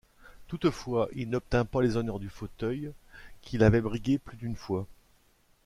Toutefois il n’obtint pas les honneurs du fauteuil, qu'il avait brigués plus d’une fois.